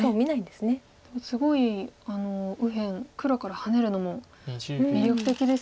でもすごい右辺黒からハネるのも魅力的ですよね。